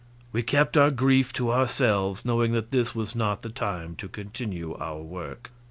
We kept our grief to ourselves, knowing that this was not the time to continue our work.